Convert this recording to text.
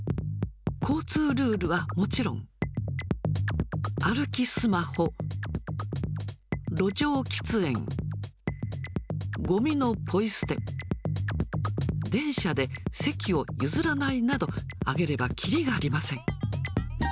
交通ルールはもちろん、歩きスマホ、路上喫煙、ごみのぽい捨て、電車で席を譲らないなど、挙げればきりがありません。